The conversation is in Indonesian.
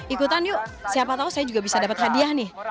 ikutan yuk siapa tau saya juga bisa dapat hadiah nih